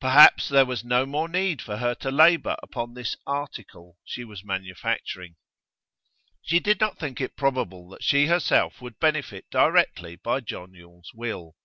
Perhaps there was no more need for her to labour upon this 'article' she was manufacturing. She did not think it probable that she herself would benefit directly by John Yule's will.